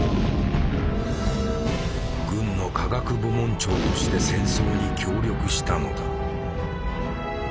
軍の科学部門長として戦争に協力したのだ。